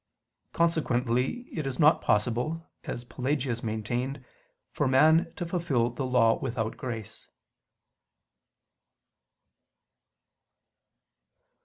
Consequently it is not possible, as Pelagius maintained, for man to fulfil the law without grace.